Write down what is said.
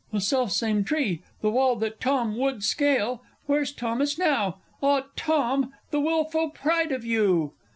_ The self same tree! ... the wall that Tom would scale! Where's Thomas now? Ah, Tom, the wilful pride of you.